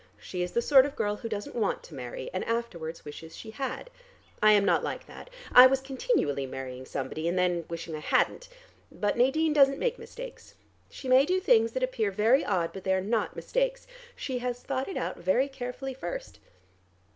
She is the sort of girl who doesn't want to marry, and afterwards wishes she had. I am not like that: I was continually marrying somebody and then wishing I hadn't. But Nadine doesn't make mistakes. She may do things that appear very odd, but they are not mistakes, she has thought it out very carefully first.